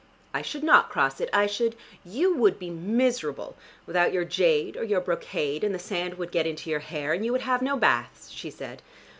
"I should not cross it: I should " "You would be miserable without your jade or your brocade and the sand would get into your hair, and you would have no bath," she said.